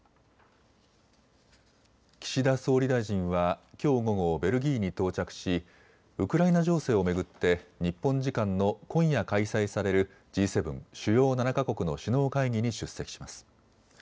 岸田総理大臣はきょう午後、ベルギーに到着しウクライナ情勢を巡って日本時間の今夜開催されるＧ７・主要７か国の首脳会議に出席します。